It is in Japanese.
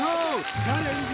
チャレンジ